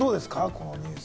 このニュース。